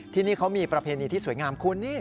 ที่นี่เขามีประเพณีที่สวยงามคุณนี่